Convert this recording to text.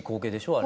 あれ。